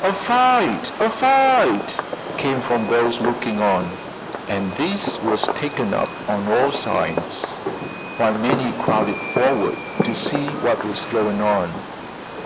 "A fight! A fight!" came from those looking on, and this was taken up on all sides, while many crowded forward to see what was going on.